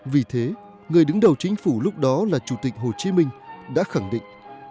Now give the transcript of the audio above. vì thế người đứng đầu chính phủ lúc đó là chủ tịch hồ chí minh đã khẳng định